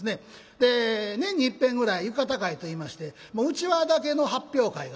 で年にいっぺんぐらい浴衣会といいまして内輪だけの発表会があるんですね。